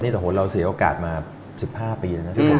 เราเสียโอกาสมา๑๕ปีแล้วนะ